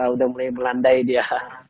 udah mulai melandai dia